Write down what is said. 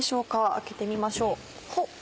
開けてみましょう。